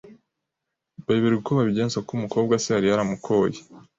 Bayoberwa uko babigenza kuko umukobwa se yari yaramukoye